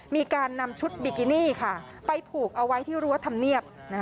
มีการนำชุดบิกินี่ค่ะไปผูกเอาไว้ที่รั้วธรรมเนียบ